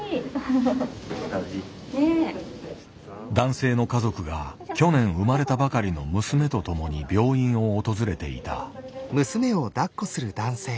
男性の家族が去年生まれたばかりの娘と共に病院を訪れていた。